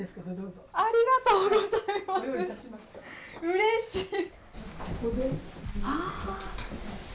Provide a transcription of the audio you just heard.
うれしい。